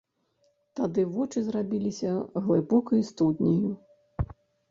Тады вочы зрабіліся глыбокай студняю.